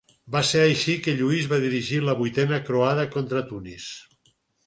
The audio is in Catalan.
Va ser així que Lluís va dirigir la Vuitena Croada contra Tunis.